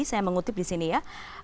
saya mengutip disini ya